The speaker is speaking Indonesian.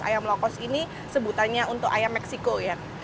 ayam lokos ini sebutannya untuk ayam meksiko ya